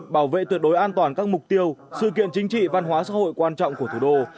bảo vệ tuyệt đối an toàn các mục tiêu sự kiện chính trị văn hóa xã hội quan trọng của thủ đô